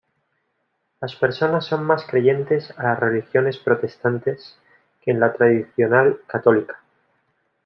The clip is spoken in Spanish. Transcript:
Las personas son más creyentes a las Religiones protestantes que en la tradicional Católica.